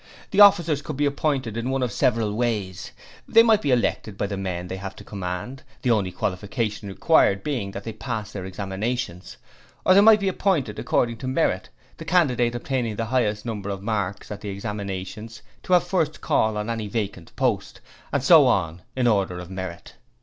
The officers could be appointed in any one of several ways: They might be elected by the men they would have to command, the only qualification required being that they had passed their examinations, or they might be appointed according to merit the candidate obtaining the highest number of marks at the examinations to have the first call on any vacant post, and so on in order of merit.